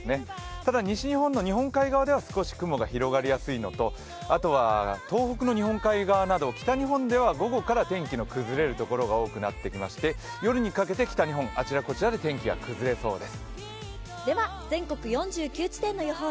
ただ西日本の日本海側では少し雲が広がりやすいのとあとは東北の日本海側など北日本では午後から天気の崩れる所が多くなってきまして夜にかけて北日本のあちらこちらで天気が崩れそうです。